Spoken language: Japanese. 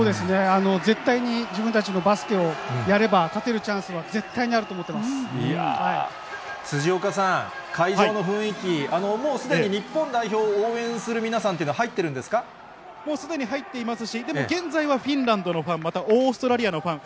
絶対に自分たちのバスケをやれば勝てるチャンスは絶対にあると思辻岡さん、会場の雰囲気、もうすでに日本代表を応援する皆さんっていうのは入ってるんですもうすでに入っていますし、でも現在はフィンランドのファン、またはオーストラリアのファン。